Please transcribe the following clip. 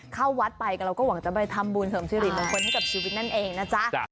เข้าวัดไปเราก็หวังจะไปทำบุญเสริมสิริมงคลให้กับชีวิตนั่นเองนะจ๊ะ